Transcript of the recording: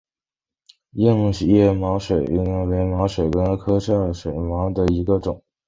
硬叶水毛茛为毛茛科水毛茛属下的一个种。